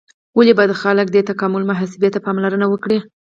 ولې باید خلک دې تکاملي محاسبې ته پاملرنه وکړي؟